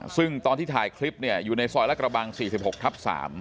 ซึ่งตอนที่ถ่ายคลิปอยู่ในซอยละกระบัง๔๖ทับ๓